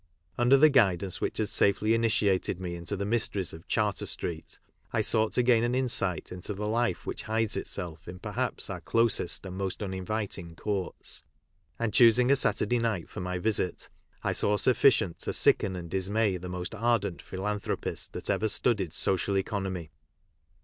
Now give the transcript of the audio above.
Under the Guid ance which had safely initiated me into the mysteries of Charter street, I sought to gain an insightinto the life which hides itself in perhaps our closest and most uninviting courts, and, choosing a Saturday night for my visit, I saw sufficient to sicken and d . ls ^ a y the . most ardent philanthropic that ever studied social economy.